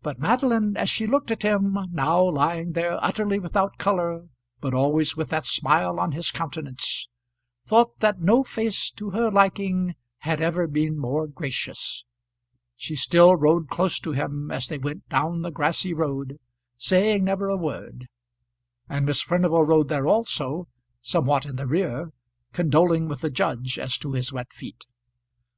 But Madeline, as she looked at him now lying there utterly without colour but always with that smile on his countenance, thought that no face to her liking had ever been more gracious. She still rode close to him as they went down the grassy road, saying never a word. And Miss Furnival rode there also, somewhat in the rear, condoling with the judge as to his wet feet.